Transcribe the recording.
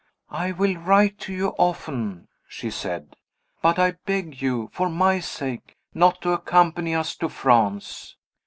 "I will write to you often," she said; "but I beg you, for my sake, not to accompany us to France."